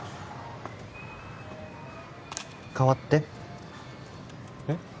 代わってえっ？